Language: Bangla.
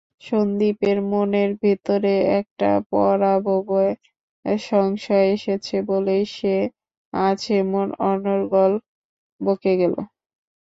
সন্দীপের মনের ভিতরে একটা পরাভবের সংশয় এসেছে বলেই সে আজ এমন অনর্গল বকে গেল।